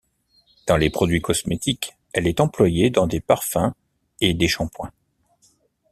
Dans les produits cosmétiques, elle est employée dans des parfums et des shampooings.